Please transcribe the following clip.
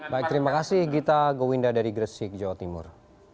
baik terima kasih gita gowinda dari gresik jawa timur